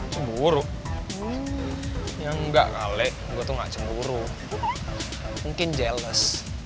cemburu ya enggak kale gue tuh gak cemburu mungkin jealous